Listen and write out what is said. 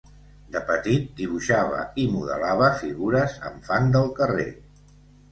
De petit dibuixava i modelava figures amb fang del carrer.